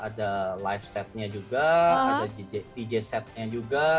ada live setnya juga ada dj setnya juga